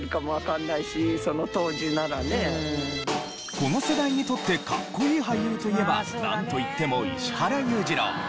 この世代にとってかっこいい俳優といえばなんといっても石原裕次郎。